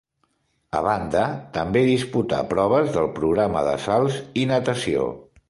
A banda també disputà proves del programa de salts i natació.